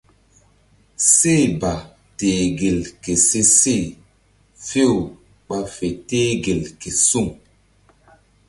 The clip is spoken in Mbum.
Seh ba teh gel ke se she few ɓa fe teh gel ke suŋ.